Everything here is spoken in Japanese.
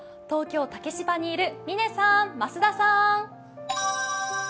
東京・竹芝にいる嶺さん、増田さん。